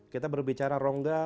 kita berbicara rongga